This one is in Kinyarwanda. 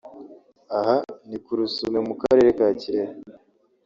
Aha ni ku Rusumo mu Karere ka Kirehe